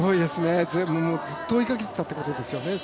ずっと追いかけていたっていうことですよね。